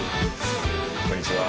こんにちは。